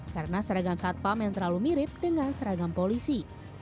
karena seragam satpam yang terlalu mirip dengan seragam polisi